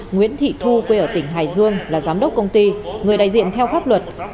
nguyễn thị thu quê ở tỉnh hải dương là giám đốc công ty người đại diện theo pháp luật